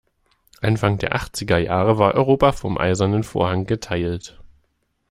Anfang der achtziger Jahre war Europa noch vom eisernen Vorhang geteilt.